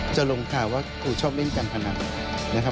จะลงข่าวว่าคุณชอบเล่นการพนัก